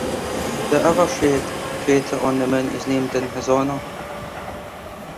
The Evershed crater on the Moon is named in his honor.